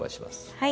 はい。